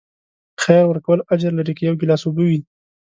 خیر ورکول اجر لري، که یو ګیلاس اوبه وي.